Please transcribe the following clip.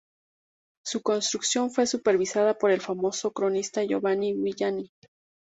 Su construcción fue supervisada por el famoso cronista Giovanni Villani.